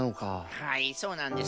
はいそうなんです。